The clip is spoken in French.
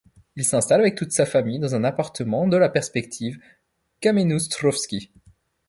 Il s'installe avec toute sa famille dans un appartement de la perspective Kamennoostrovski.